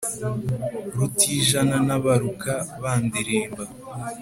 Rutijana ntabaruka bandirimba,